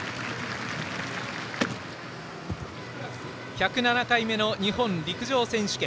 １０７回目の日本陸上選手権。